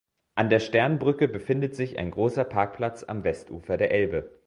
An der Sternbrücke befindet sich ein großer Parkplatz am Westufer der Elbe.